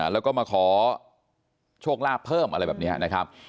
แล้วก็มาขอโชคลาภเพิ่มอะไรแบบนี้นะครับ